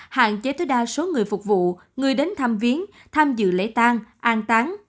hạn chế tới đa số người phục vụ người đến tham viến tham dự lễ tang an tán